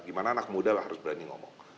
gimana anak muda lah harus berani ngomong